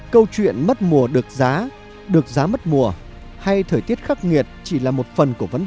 câu chuyện mất mùa được giá được giá mất mùa hay thời tiết khắc nghiệt chỉ là một phần của vấn